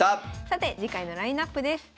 さて次回のラインナップです。